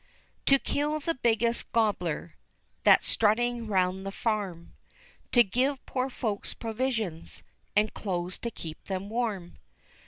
To kill the biggest gobbler That's strutting round the farm? To give poor folks provisions, And clothes to keep them warm?